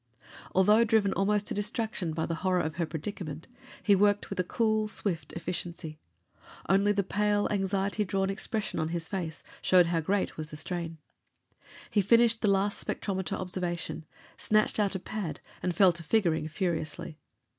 Although driven almost to distraction by the horror of her predicament, he worked with a cool, swift efficiency. Only the pale, anxiety drawn expression on his face showed how great was the strain. He finished the last spectrometer observation, snatched out a pad and fell to figuring furiously.